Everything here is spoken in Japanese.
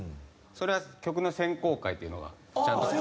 それは曲の選考会っていうのがちゃんと。